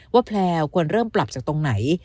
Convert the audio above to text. แพลวควรเริ่มปรับจากตรงไหน